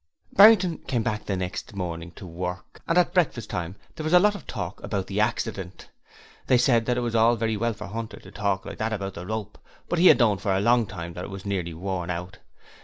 Barrington came back the next morning to work, and at breakfast time there was a lot of talk about the accident. They said that it was all very well for Hunter to talk like that about the rope, but he had known for a long time that it was nearly worn out.